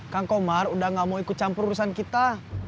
kang komar udah gak mau ikut campur urusan kita